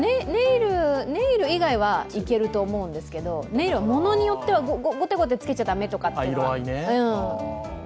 ネイル以外はいけると思うんですけどネイルはものによってはゴテゴテつけちゃダメというか。